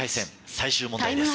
最終問題です。